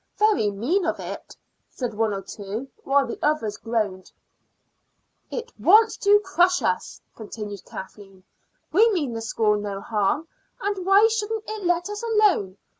"Very mean of it!" said one or two, while the others groaned. "It wants to crush us," continued Kathleen. "We mean the school no harm, and why shouldn't it let us alone?